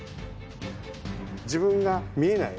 自分が見えない